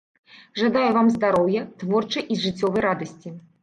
Жадаю вам здароўя, творчай і жыццёвай радасці.